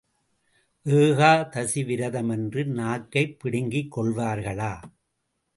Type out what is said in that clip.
ஏகாதசி விரதம் என்று நாக்கைப் பிடுங்கிக் கொள்வார்களா?